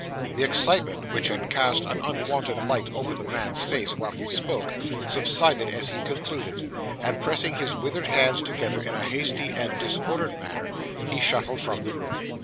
The excitement, which had cast an unwonted light over the man's face, while he spoke, subsided as he concluded; and pressing his withered hands together in a hasty and disordered manner, he shuffled from the room.